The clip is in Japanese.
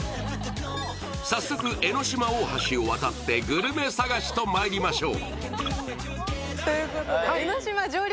早速、江の島大橋を渡ってグルメ探しとまいりましょう。